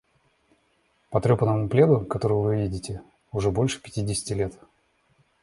Потрёпанному пледу, который вы видите, уже больше пятидесяти лет.